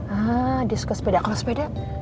ah dia suka sepeda kalau sepeda